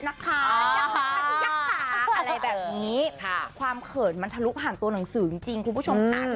อะไรแบบนี้ความเขินมันทะลุผ่านตัวหนังสือจริงคุณผู้ชมค่ะ